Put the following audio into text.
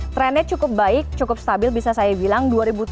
trendnya cukup baik cukup stabil bisa saya bilang